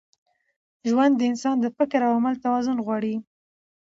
ژوند د انسان د فکر او عمل توازن غواړي.